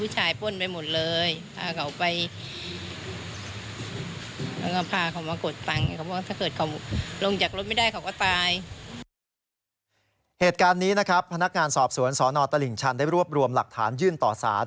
เหตุการณ์นี้นะครับพนักงานสอบสวนสนตลิ่งชันได้รวบรวมหลักฐานยื่นต่อสาร